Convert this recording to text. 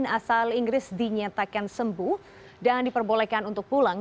asal inggris dinyatakan sembuh dan diperbolehkan untuk pulang